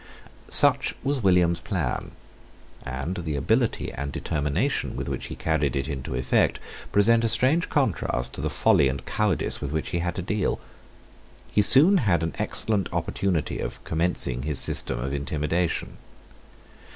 Such was William's plan: and the ability and determination with which he carried it into effect present a strange contrast to the folly and cowardice with which he had to deal. He soon had an excellent opportunity of commencing his system of intimidation.